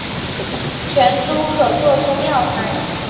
全株可做中药材。